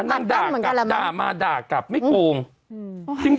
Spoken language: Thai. นางด่ากลับด่ามาด่ากลับไม่โกง